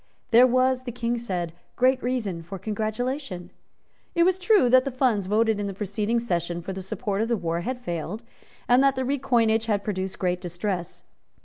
There was, the King said, great reason for congratulation. It was true that the funds voted in the preceding session for the support of the war had failed, and that the recoinage had produced great distress.